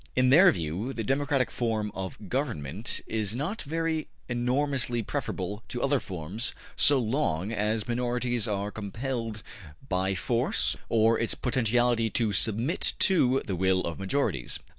In their view, the democratic form of government is not very enormously preferable to other forms so long as minorities are compelled by force or its potentiality to submit to the will of majorities.